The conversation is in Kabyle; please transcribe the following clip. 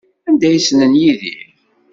Anda ay ssnen Yidir?